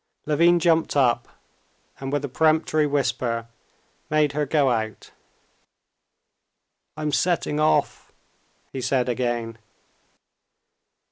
Levin jumped up, and with a peremptory whisper made her go out. "I'm setting off," he said again.